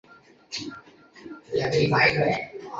圣马丹德姆约。